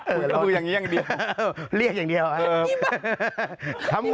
เออแล้วคุณก็มืออย่างนี้อย่างเดียวเออเรียกอย่างเดียวครับนี่แบบ